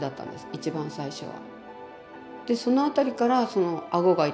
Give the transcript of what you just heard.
一番最初は。